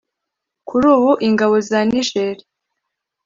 Kuri ubu ingabo za Niger